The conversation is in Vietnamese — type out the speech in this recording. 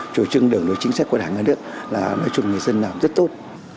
chủ trưng đồng đội chính sách của đảng ở nước là nói chung người dân làm rất tốt